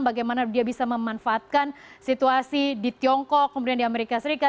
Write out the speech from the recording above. bagaimana dia bisa memanfaatkan situasi di tiongkok kemudian di amerika serikat